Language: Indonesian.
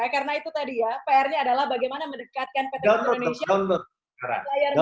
karena itu tadi ya pr nya adalah bagaimana mendekatkan pt pos indonesia ke layar lokal